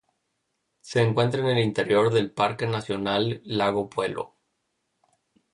Se encuentra en el interior del Parque Nacional Lago Puelo.